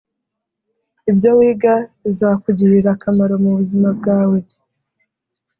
ibyo wiga bizakugirira akamaro mu buzima bwawe